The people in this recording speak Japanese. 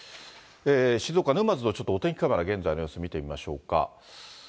静岡・沼津のお天気カメラ、現在の様子見てみましょうか。